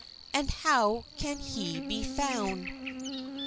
And how can he be found?